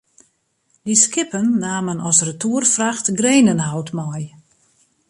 Dy skippen namen as retoerfracht grenenhout mei.